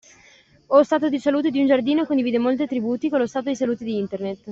O stato di salute di un giardino condivide molti attributi con lo stato di salute di Internet.